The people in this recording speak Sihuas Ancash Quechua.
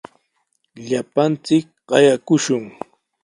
Llapanchik qayakushun.